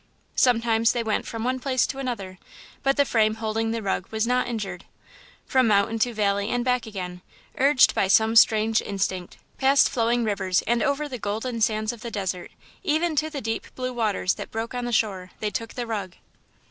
Sometimes they went from one place to another, but the frame holding the rug was not injured. From mountain to valley and back again, urged by some strange instinct, past flowing rivers and over the golden sands of the desert, even to the deep blue waters that broke on the shore they took the rug.